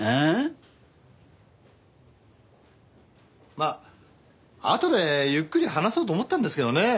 まああとでゆっくり話そうと思ったんですけどね